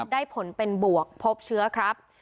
ได้ผลเป็นบวกพบเชื้อครับ